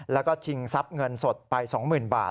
แล้วก็ชิงทรัพย์เงินสดไป๒๐๐๐บาท